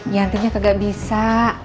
yantinya kagak bisa